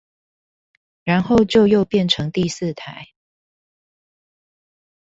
然後就又變成第四台